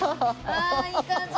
ああいい感じ。